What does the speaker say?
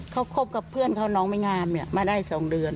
เขาคบกับเพื่อนเขาน้องไม่งามเนี่ยมาได้๒เดือน